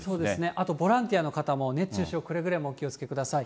あとボランティアの方も、熱中症、くれぐれもお気をつけください。